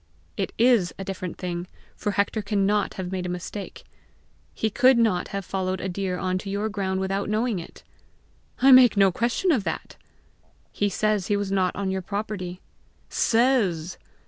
"It is a different thing, for Hector cannot have made a mistake. He could not have followed a deer on to your ground without knowing it!" "I make no question of that!" "He says he was not on your property." "Says!"